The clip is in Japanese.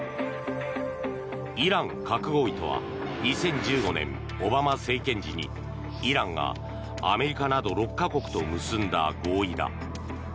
イラン核合意とは２０１５年、オバマ政権時にイランがアメリカなど６か国と結んだ合意だ。